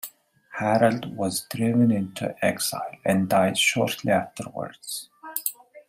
Harald was driven into exile and died shortly afterwards.